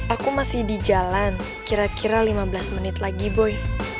aku masih di jalan kira kira lima belas menit lagi boy